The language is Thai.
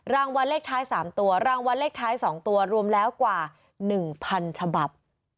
รางวัลเลขท้าย๓ตัวรางวัลเลขท้าย๒ตัวรวมแล้วกว่า๑๐๐๐ฉบับ